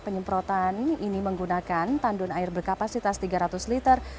penyemprotan ini menggunakan tandun air berkapasitas tiga ratus liter